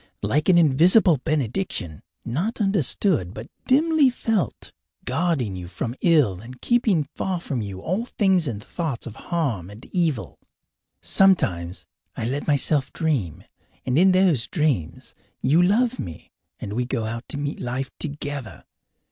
Like an invisible benediction, not understood but dimly felt, guarding you from ill and keeping far from you all things and thoughts of harm and evil! Sometimes I let myself dream. And in those dreams you love me, and we go out to meet life together.